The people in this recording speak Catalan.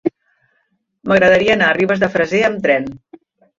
M'agradaria anar a Ribes de Freser amb tren.